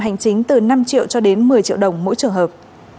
hành chính từ năm triệu cho đến một mươi triệu đồng mỗi trường hợp